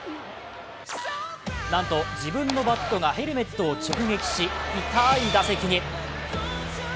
なんと自分のバットがヘルメットを直撃し、痛い打席に。